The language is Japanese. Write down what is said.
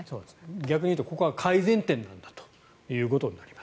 逆に言うとここは改善点なんだということになります。